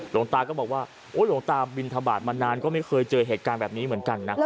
หลวงตาก็บอกว่าหลวงตาบินทบาทมานานก็ไม่เคยเจอเหตุการณ์แบบนี้เหมือนกันนะ